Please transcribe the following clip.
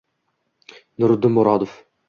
Nuriddin Murodov